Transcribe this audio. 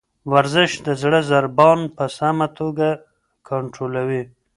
ورزش د زړه ضربان په سمه توګه کنټرولوي.